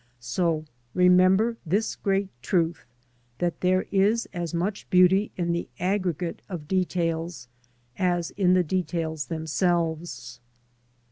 So remember this g^eat truth, that there is as much beauty in the aggregate of details as in the. details themserves.